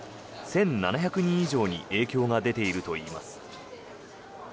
１７００人以上に影響が出ているといいます。